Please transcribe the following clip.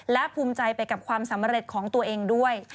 และภูมิใจไปกับความสำเร็จของตัวเองด้วย